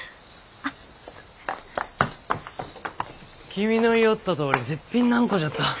君の言よったとおり絶品のあんこじゃった。